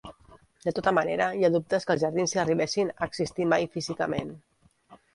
De tota manera, hi ha dubtes que els jardins arribessin a existir mai físicament.